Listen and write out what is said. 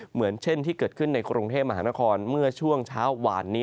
เหมือนเช่นที่เกิดขึ้นในกรุงเทพมหานครเมื่อช่วงเช้าหวานนี้